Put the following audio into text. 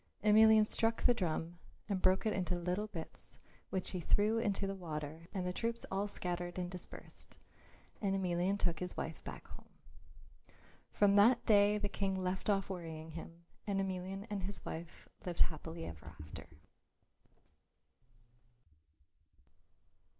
Emelian struck the drum and broke it into little bits which he threw into the water and the troops all scattered and dispersed. And Emelian took his wife back home. From that day the King left off worrying him and Emelian and his wife lived happily ever after.